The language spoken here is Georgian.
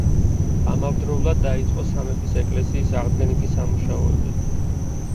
ამავდროულად დაიწყო სამების ეკლესიის აღდგენითი სამუშაოები.